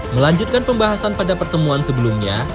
melanjutkan pembahasan pada pertemuan sebelumnya